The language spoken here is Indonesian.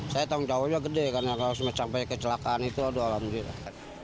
saya tanggung jawabnya gede karena kalau sampai kecelakaan itu aduh alhamdulillah